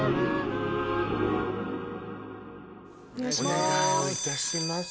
お願いします。